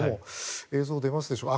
映像出ますでしょうか